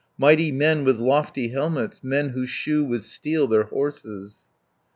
Mighty men, with lofty helmets, Men who shoe with steel their horses."